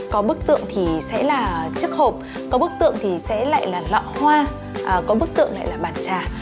có bức tượng thì sẽ là chiếc hộp có bức tượng thì sẽ lại là lọ hoa có bức tượng lại là bản trà